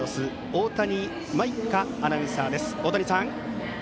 大谷舞風アナウンサーです。